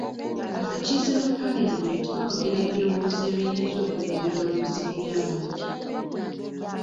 Abakiise ba palamenti baawagira ebirowoozo ebiyinza okugonjoola ebizibu by'abantu